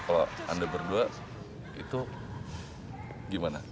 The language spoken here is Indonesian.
kalau anda berdua itu gimana